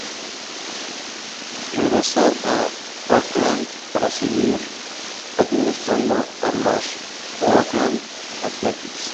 Regresa a Oakland para seguir administrando a los Oakland Athletics.